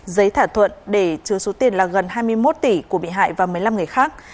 giấy thỏa thuận để chứa số tiền là gần hai mươi một tỷ của bị hại và một mươi năm người khác